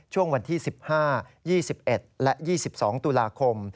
ช่วงวันที่๑๕๒๑และ๒๒ตุลาคม